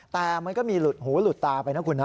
แต่มันก็มีหลุดหูหลุดตาไปนะคุณนะ